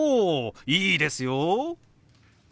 いいですよ！